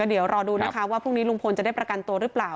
เดี๋ยวรอดูนะคะว่าพรุ่งนี้ลุงพลจะได้ประกันตัวหรือเปล่า